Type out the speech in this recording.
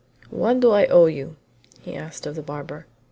"What do I owe you?" asked he of the barber.